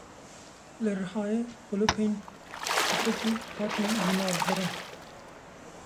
Li Rihayê kelûpelên kufikî hatin jinavbirin.